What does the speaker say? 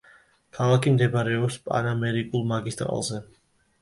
ქალაქი მდებარეობს პანამერიკულ მაგისტრალზე.